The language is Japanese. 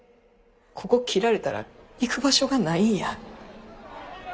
ここ切られたら行く場所がないんや。